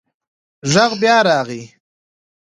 غږ بیا راغی.